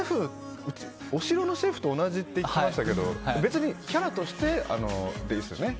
お城のシェフと同じって言ってましたけど別にキャラとしてですよね？